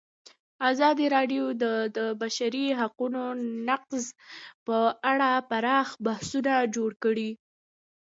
ازادي راډیو د د بشري حقونو نقض په اړه پراخ بحثونه جوړ کړي.